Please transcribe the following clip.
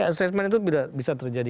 ya assessment itu bisa terjadi